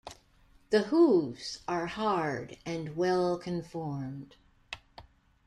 The hooves are hard and well-conformed.